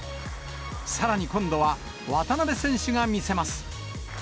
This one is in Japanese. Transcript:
さらに今度は渡辺選手が見せます。